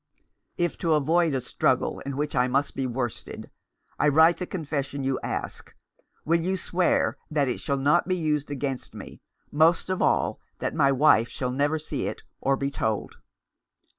" If, to avoid a struggle in which I must be worsted, I write the confession you ask, will you swear that it shall not be used against me — most of all, that my wife shall never see it, or be told